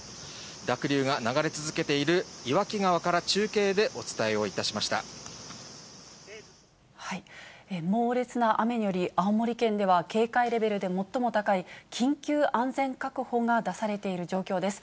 濁流が流れ続けている岩木川から猛烈な雨により、青森県では警戒レベルで最も高い、緊急安全確保が出されている状況です。